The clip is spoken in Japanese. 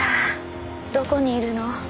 どこにいるの？